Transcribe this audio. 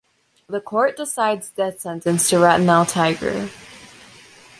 The court decides death sentence to Ratanlal Tiger.